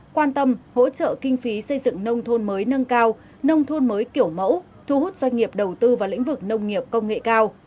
quan tâm hỗ trợ kinh phí xây dựng nông thôn mới nâng cao nông thôn mới kiểu mẫu thu hút doanh nghiệp đầu tư vào lĩnh vực nông nghiệp công nghệ cao